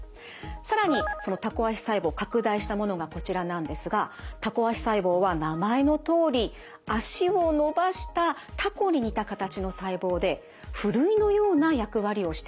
更にそのタコ足細胞拡大したものがこちらなんですがタコ足細胞は名前のとおり足を伸ばしたタコに似た形の細胞でふるいのような役割をしています。